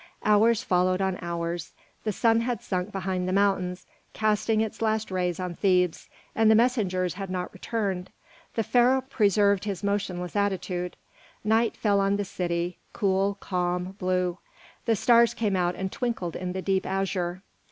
Hours followed on hours. The sun had sunk behind the mountains, casting its last rays on Thebes, and the messengers had not returned. The Pharaoh preserved his motionless attitude. Night fell on the city, cool, calm, blue; the stars came out and twinkled in the deep azure.